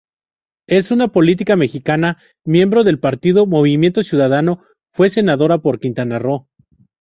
Es una política mexicana, miembro del Partido Movimiento Ciudadano, fue senadora por Quintana Roo.